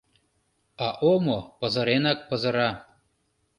А омо пызыренак пызыра.